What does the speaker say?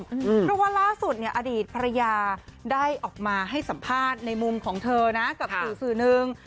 เพราะว่าล่าสุดเนี่ยอดีตภรรยาได้ออกมาให้สัมภาษณ์ในมุมของเธอนะกับสื่อสื่อหนึ่ง